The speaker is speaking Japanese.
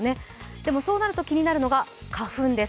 でも、そうなると気になるのが花粉です。